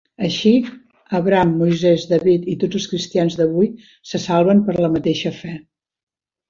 Així, Abraham, Moisès, David i tots els cristians d'avui se salven per la mateixa fe.